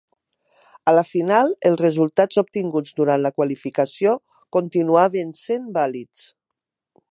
A la final els resultats obtinguts durant la qualificació continuaven sent vàlids.